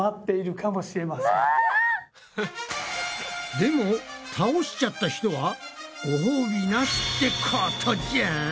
でも倒しちゃった人はごほうびなしってことじゃん！？